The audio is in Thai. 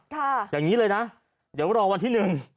อย่างนี้เลยนะเดี๋ยวรอวันที่หนึ่ง